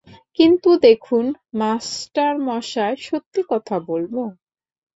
কিন্তু দেখুন মাস্টারমশায়, সত্যি কথা বলব।